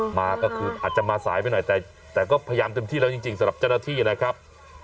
มาก็คืออาจจะมาสายไปหน่อยแต่ก็พยายามเต็มที่แล้วจริงสำหรับเจ้าหน้าที่นะครับ